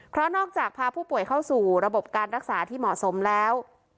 เพราะนอกจากพาผู้ป่วยเข้าสู่ระบบการรักษาที่เหมาะสมแล้ว